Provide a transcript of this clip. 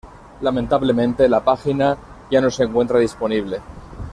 Lamentablemente la pagina ya no se encuentra disponible.